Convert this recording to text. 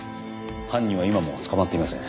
犯人は今も捕まっていません。